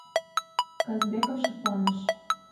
Казбеков шыпланыш.